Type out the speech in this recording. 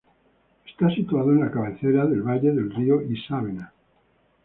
Está situado en la cabecera del valle del río Isábena.